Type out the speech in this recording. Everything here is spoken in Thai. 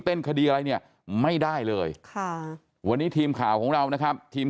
คดีอะไรเนี่ยไม่ได้เลยค่ะวันนี้ทีมข่าวของเรานะครับทีม